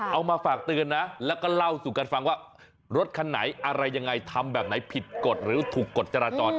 เอามาฝากเตือนนะแล้วก็เล่าสู่กันฟังว่ารถคันไหนอะไรยังไงทำแบบไหนผิดกฎหรือถูกกฎจราจร